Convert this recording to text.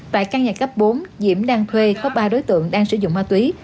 tại căn nhà cấp bốn diễm đang thuê có ba đối tượng đang sử dụng ma túy